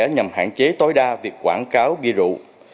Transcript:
nhằm hạn chế tối đa việc quảng cáo bia rượu